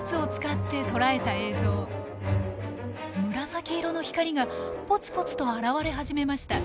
紫色の光がポツポツと現れ始めました。